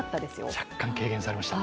若干軽減されました。